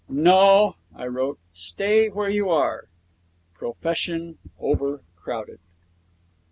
'No,' I wrote, 'stay where you are. Profession overcrowded.'